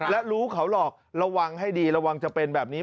และรู้เขาหลอกระวังให้ดีระวังจะเป็นแบบนี้